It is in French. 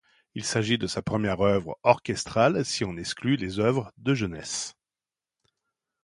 Il s'agit de sa première œuvre orchestrale si on exclut les œuvres de jeunesse.